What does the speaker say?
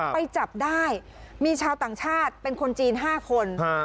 ไปจับได้มีชาวต่างชาติเป็นคนจีน๕คน